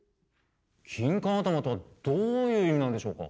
キンカン頭とはどういう意味なんでしょうか？